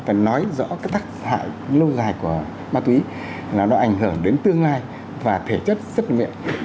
và nói rõ các tác dạng lâu dài của ma túy là nó ảnh hưởng đến tương lai và thể chất sức mạnh